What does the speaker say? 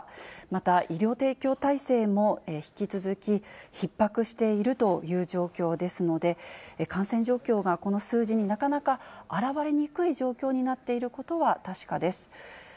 また、医療提供体制も引き続き、ひっ迫しているという状況ですので、感染状況がこの数字になかなか表れにくい状況になっていることは確かです。